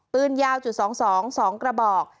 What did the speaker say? ปืนยาวจุด๒๒กระบอก